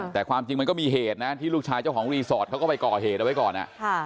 แต่ความจริงมันก็มีเหตุนะที่ลูกชายเจ้าของรีสอร์ทเขาก็ไปก่อเหตุเอาไว้ก่อน